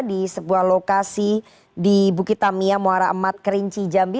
di sebuah lokasi di bukit tamiya muara emat kerinci jambi